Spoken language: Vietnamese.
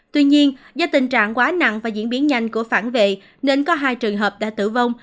tuy nhiên do tình trạng quá nặng và diễn biến nhanh của phản vệ nên có hai trường hợp đã tử vong